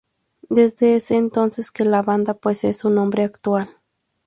Desde ese entonces que la banda posee su nombre actual.